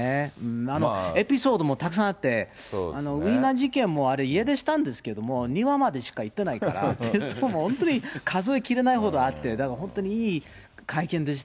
なので、エピソードもたくさんあって、ウインナー事件もあれ家出したんですけど、庭までしか行ってないから、本当に数え切れないほどあって。